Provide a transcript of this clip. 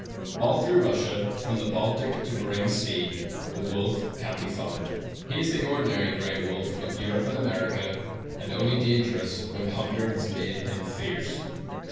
All through Russia, from the Baltic to Behring's sea, the wolf can be found. He is the ordinary gray wolf of Europe and America, and only dangerous when hunger has made him fierce.